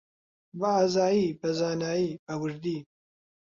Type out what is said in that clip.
بەئازایی، بەزانایی، بەوردی